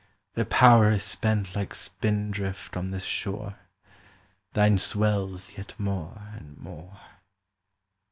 Their power is spent like spindrift on this shore; Thine swells yet more and more.